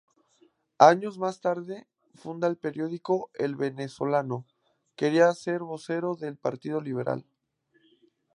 Años más tarde, funda el periódico "El Venezolano" que sería vocero del Partido Liberal.